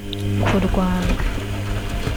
ku Rwanda